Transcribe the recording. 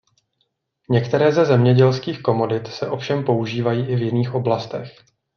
Některé ze zemědělských komodit se ovšem používají i v jiných oblastech.